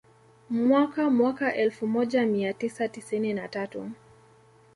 Mwaka mwaka elfu moja mia tisa tisini na tatu